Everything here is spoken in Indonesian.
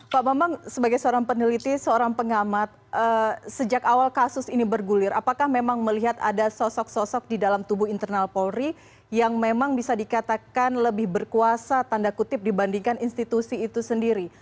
pak bambang sebagai seorang peneliti seorang pengamat sejak awal kasus ini bergulir apakah memang melihat ada sosok sosok di dalam tubuh internal polri yang memang bisa dikatakan lebih berkuasa tanda kutip dibandingkan institusi itu sendiri